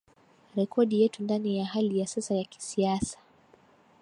rekodi yetu Ndani ya hali ya sasa ya kisiasa